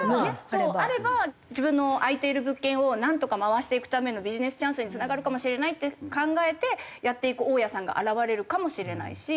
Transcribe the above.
そうあれば自分の空いている物件をなんとか回していくためのビジネスチャンスにつながるかもしれないって考えてやっていく大家さんが現れるかもしれないし。